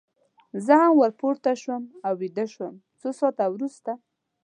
زه هم ور پورته شوم او ویده شوم، څو ساعته وروسته.